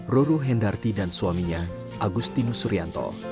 roro hendarti dan suaminya agustinus suryanto